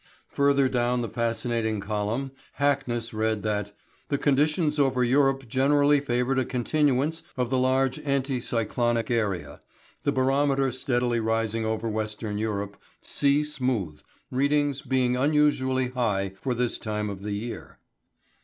Further down the fascinating column Hackness read that "the conditions over Europe generally favoured a continuance of the large anti cyclonic area, the barometer steadily rising over Western Europe, sea smooth, readings being unusually high for this time of the year."